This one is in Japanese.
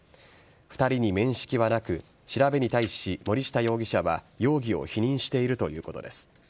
２人に面識はなく調べに対し森下容疑者は容疑を否認しているということです。